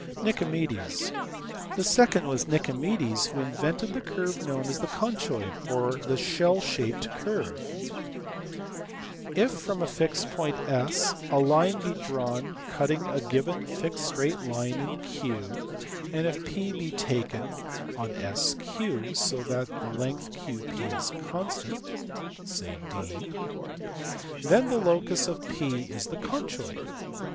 Nicomedes. The second was Nicomedes who invented the curve known as the conchoid or the shell shaped curve. If 86 THE FIRST ALEXANDRIAN SCHOOL. from a fixed point S a line be drawn cutting .a given fixed straight line in Q and if P be taken on SQ so that the length QP is constant (say d), then the locus of P is the conchoid.